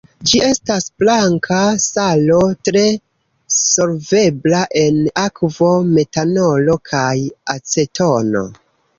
Ĝi estas blanka salo, tre solvebla en akvo, metanolo kaj acetono.